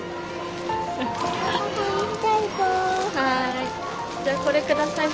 はい。